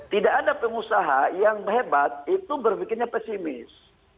tidak ada pengusaha yang hebat itu berpikirnya pesimis